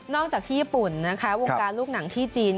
จากที่ญี่ปุ่นนะคะวงการลูกหนังที่จีน